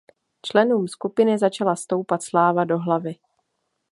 Členům skupiny začala stoupat sláva do hlavy.